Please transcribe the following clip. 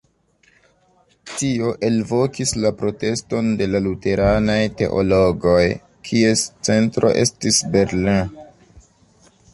Tio elvokis la proteston de la luteranaj teologoj, kies centro estis Berlin.